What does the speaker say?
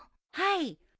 はい。